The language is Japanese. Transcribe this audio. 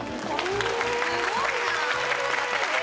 すごいな！